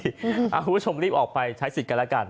คุณผู้ชมรีบออกไปใช้สิทธิ์กันแล้วกัน